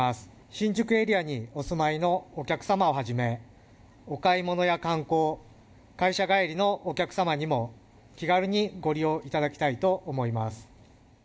新宿エリアにお住まいのお客様をはじめ、お買い物や観光、会社帰りのお客様にも気軽にご利用いただきたいと思います。